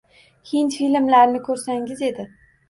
Hind filmlarini koʻrsangiz edi.